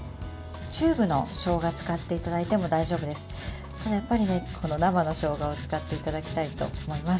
チューブのしょうがを使っていただいても大丈夫です。